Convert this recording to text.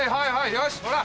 よしほら。